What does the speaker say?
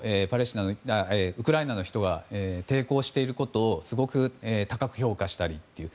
ウクライナの人は抵抗していることをすごく高く評価したり。